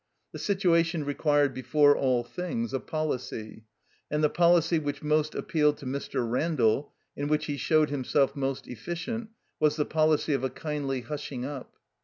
The situation required before all things a policy. And the poUcy which most appealed to Mr. Randall, in which he showed himself most efficient, was the policy of a kindly hushing up.